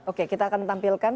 oke kita akan tampilkan